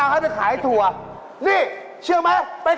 เอาไปใส่จิ้มจุ่มกินไป